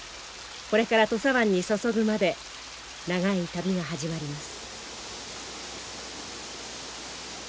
これから土佐湾に注ぐまで長い旅が始まります。